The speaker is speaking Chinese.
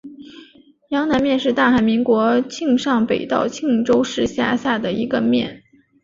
阳南面是大韩民国庆尚北道庆州市下辖的一个面。